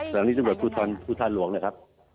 ส่วนผู้ท่านหลวงนะครับ